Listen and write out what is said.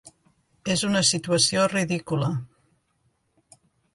És una situació ridícula.